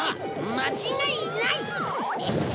間違いない！